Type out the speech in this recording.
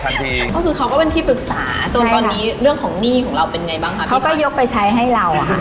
ถ้าพี่ตักตรงนี้ไปนะ